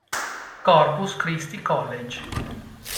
Corpus Christi College